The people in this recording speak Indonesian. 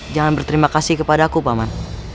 jangan berterima kasih kepada aku paman